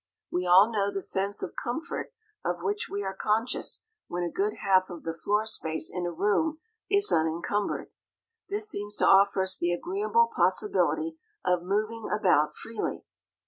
We all know the sense of comfort of which we are conscious when a good half of the floor space in a room is unencumbered; this seems to offer us the agreeable possibility of moving about freely.